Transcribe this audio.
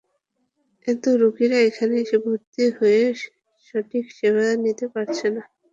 এতে রোগীরা এখানে এসে ভর্তি হয়ে সঠিক সেবা নিতে পারছে না।